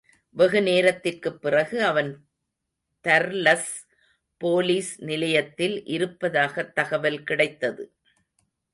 வெகு நேரத்திற்குப் பிறகு, அவன் தர்லஸ் போலிஸ் நிலையத்தில் இருப்பதாகத் தகவல் கிடைத்தது.